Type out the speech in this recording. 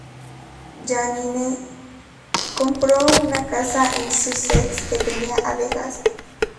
Janine compró una casa en Sussex que tenía abejas.